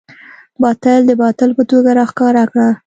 باطل د باطل په توګه راښکاره کړه.